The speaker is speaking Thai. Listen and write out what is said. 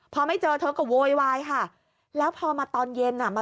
พอไม่เจอเธอก็โวยวายค่ะแล้วพอมาตอนเย็นอ่ะมา